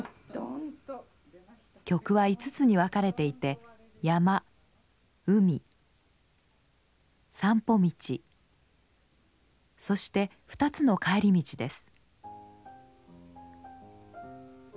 曲は５つに分かれていて「山」「海」「散歩道」そして２つの「帰り道」です。